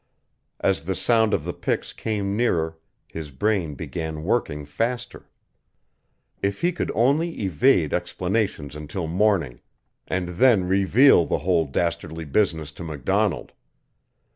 As the sound of the picks came nearer his brain began working faster. If he could only evade explanations until morning and then reveal the whole dastardly business to MacDonald!